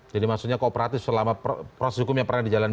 jadi maksudnya kooperatif selama proses hukum yang pernah di jalanin